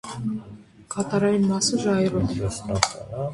Կատարային մասը ժայռոտ է։